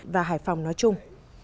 và hải phòng nói chung